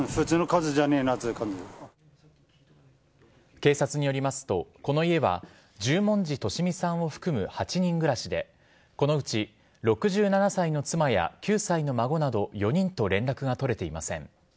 警察によりますと、この家は十文字利美さんを含む８人暮らしでこのうち、６７歳の妻や９歳の孫など４人と連絡が取れていません。